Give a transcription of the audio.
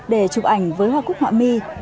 để chụp ảnh với hoa cúc họa mi